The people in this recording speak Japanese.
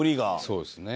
そうですね。